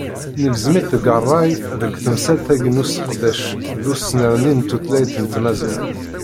Negzem-itt deg ṛṛay deg temsalt-agi n useqdec d usnerni n tutlayt n tmaziɣt.